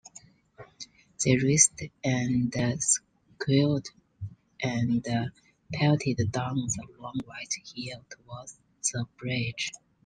They raced and squealed and pelted down the long white hill towards the bridge.